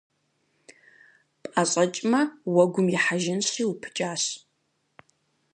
Пӏэщӏэкӏмэ, уэгум ихьэжынщи, упыкӏащ.